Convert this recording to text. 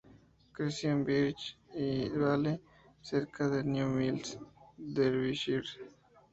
Creció en Birch Vale cerca de New Mills, Derbyshire.